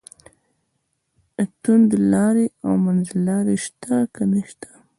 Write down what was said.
توندلاري او منځلاري شته که نشته.